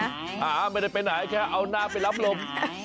หาไม่ได้ไปไหนแค่เอาหน้าไปรับลม